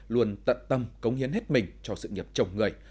luôn tận tâm cống hiến hết mình cho sự nghiệp chồng người